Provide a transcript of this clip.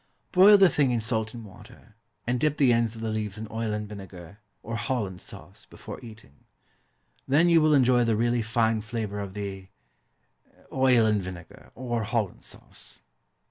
Boil the thing in salt and water, and dip the ends of the leaves in oil and vinegar, or Holland sauce, before eating. Then you will enjoy the really fine flavour of the oil and vinegar, or Holland sauce.